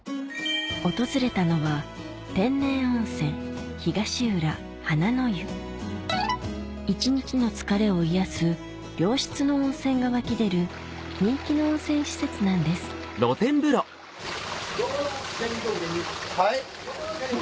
訪れたのは一日の疲れを癒やす良質の温泉が湧き出る人気の温泉施設なんですはい？